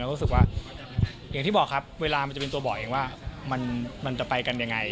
รู้สึกว่าอย่างที่บอกครับเวลามันจะเป็นตัวบอกเองว่ามันจะไปกันยังไง